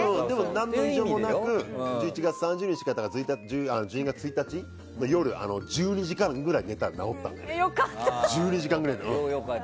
何の異常もなく１１月３０日から１２月１日の夜１２時間くらい寝たら治った。